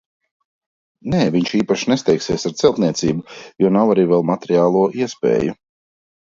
Nē, viņi īpaši nesteigsies ar celtniecību, jo nav arī vēl materiālo iespēju.